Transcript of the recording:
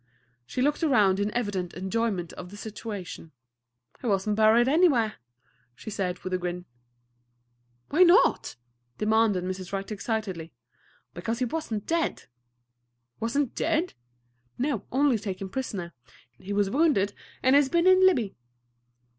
She looked around in evident enjoyment of the situation. "He was n't buried anywhere," she said, with a grin. "Why not?" demanded Mrs. Wright excitedly. "Because he was n't dead." "Was n't dead?" "No; only taken prisoner. He was wounded, and he's been in Libby."